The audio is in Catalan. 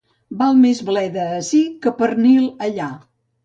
Val més bleda ací que pernil allà.